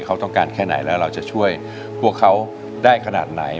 เขาต้องการแค่ไหนแล้วเราจะช่วยพวกเขาได้ขนาดไหน